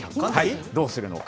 どうするのか。